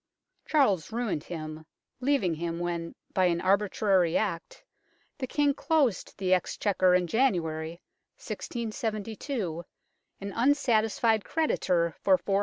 Charles ruined him, leaving him when, by an arbitrary act, the King closed the Ex chequer in January, 1672, an unsatisfied creditor for 416,000.